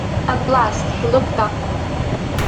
At last he looked up.